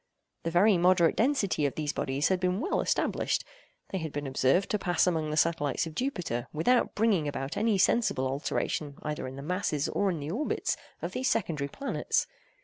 The very moderate density of these bodies had been well established. They had been observed to pass among the satellites of Jupiter, without bringing about any sensible alteration either in the masses or in the orbits of these secondary planets.